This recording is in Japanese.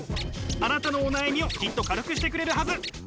あなたのお悩みをきっと軽くしてくれるはず。